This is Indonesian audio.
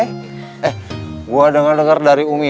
eh gue denger dengar dari umi